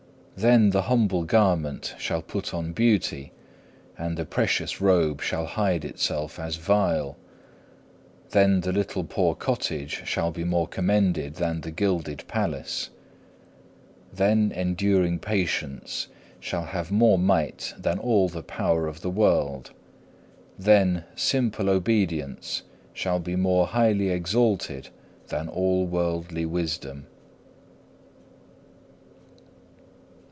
Then the humble garment shall put on beauty, and the precious robe shall hide itself as vile. Then the little poor cottage shall be more commended than the gilded palace. Then enduring patience shall have more might than all the power of the world. Then simple obedience shall be more highly exalted than all worldly wisdom.